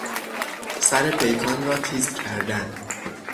سر پیکان را تیز کردن